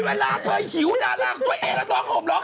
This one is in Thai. เวลาเธอหิวดาราของตัวเองแล้วท้องห่มร้อง